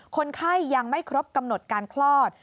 คนไข้ยังไม่ครบกำหนดการคลอด